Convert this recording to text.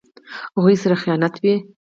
هغوی سره خیانت وي.